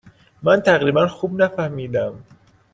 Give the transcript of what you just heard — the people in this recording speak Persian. من تقریبا خوب نفهمیدم.